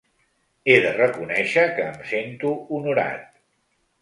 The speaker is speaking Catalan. He de reconèixer que em sento honorat.